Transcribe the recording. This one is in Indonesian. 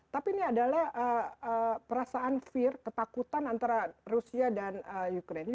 tapi ini adalah perasaan fear ketakutan antara rusia dan ukraine